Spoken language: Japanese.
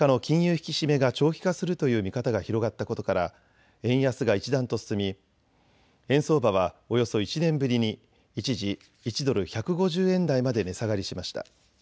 引き締めが長期化するという見方が広がったことから円安が一段と進み円相場はおよそ１年ぶりに一時１ドル１５０円台まで値下がりしました。